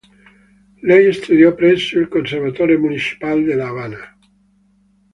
Lei studiò presso il Conservatorio Municipal de La Habana.